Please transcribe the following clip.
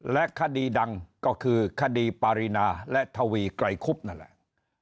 และคดีดังก็คือคดีปารีนาและทวีไกรคุบนั่นแหละ